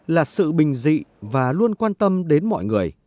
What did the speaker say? là sự bình dị và luôn quan tâm đến mọi người